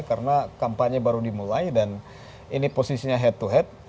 karena kampanye baru dimulai dan ini posisinya head to head